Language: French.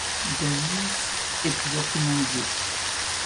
Davies est ouvertement gay.